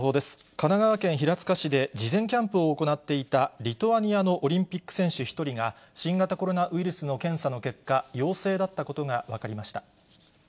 神奈川県平塚市で事前キャンプを行っていたリトアニアのオリンピック選手１人が、新型コロナウイルスの検査の結果、陽性だったことが分かりました。